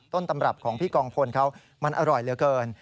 ตำรับของพี่กองพลเขามันอร่อยเหลือเกิน